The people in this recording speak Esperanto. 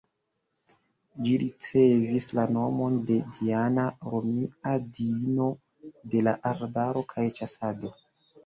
Ĝi ricevis la nomon de Diana, romia diino de la arbaro kaj ĉasado.